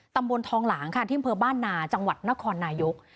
ตำบลทองหลางค่ะที่อำเภอบ้านนาจังหวัดนครนายก